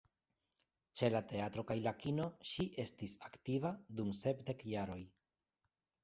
Ĉe la teatro kaj la kino, ŝi estis aktiva dum sepdek jaroj.